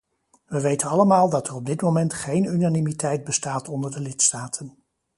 We weten allemaal dat er op dit moment geen unanimiteit bestaat onder de lidstaten.